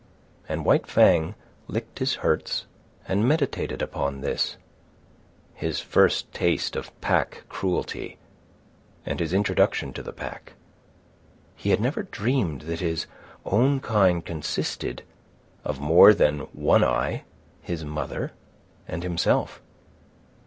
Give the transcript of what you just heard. And White Fang licked his hurts and meditated upon this, his first taste of pack cruelty and his introduction to the pack. He had never dreamed that his own kind consisted of more than One Eye, his mother, and himself.